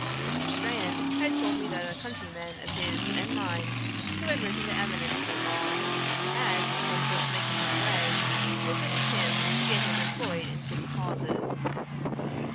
Mr. Strahan had told me that a countryman of his and mine, who had risen to eminence in the law, had, when first making his way, solicited him to get him employed in city causes.